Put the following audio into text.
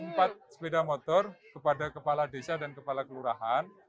tepatnya dua ratus sembilan puluh empat sepeda motor kepada kepala desa dan kepala kelurahan